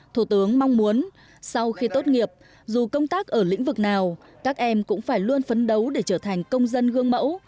thủ tướng mong muốn sau khi tốt nghiệp dù công tác ở lĩnh vực nào các em cũng phải luôn phấn đấu để trở thành công dân gương mẫu